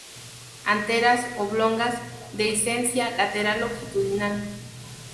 Anteras, oblongas, dehiscencia lateral longitudinal.